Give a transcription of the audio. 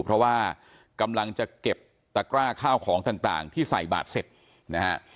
เพราะว่ากำลังจะเก็บตะกร้าข้าวของต่างที่ใส่บาทเสร็จนะฮะ